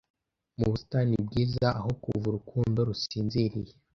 mu busitani bwiza aho kuva urukundo rusinziriye